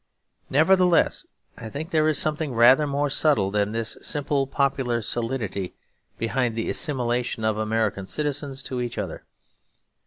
Nevertheless I think there is something rather more subtle than this simple popular solidity behind the assimilation of American citizens to each other.